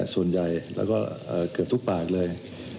ส่วนใหญ่แล้วก็เกือบทุกปากเลย